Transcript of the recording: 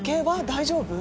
大丈夫？